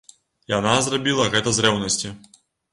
Яна зрабіла гэта з рэўнасці.